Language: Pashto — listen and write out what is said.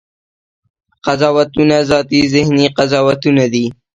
قضاوتونه ذاتي ذهني قضاوتونه دي.